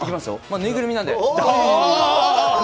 ぬいぐるみなので。